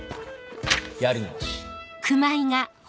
やり直し。